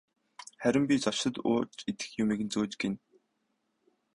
Харин би зочдод ууж идэх юмыг нь зөөнө гэнэ.